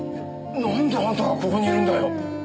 なんであんたがここにいるんだよ？